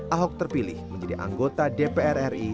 ahok terpilih menjadi anggota dpr ri